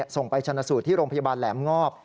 ส่งไปชนะสูตรที่โรงพยาบาลแหลมงอบ